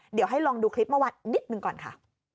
เดี๋ยวให้ลองดูคลิปเมื่อวานนิดหนึ่งก่อนค่ะ